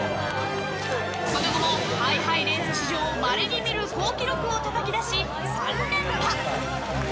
その後も、ハイハイレース史上まれに見る好記録をたたき出し３連覇。